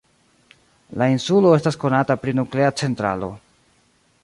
La insulo estas konata pri nuklea centralo.